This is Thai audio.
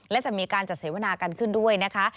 และจะมีการจัดเสวนากันขึ้นด้วยนะคะ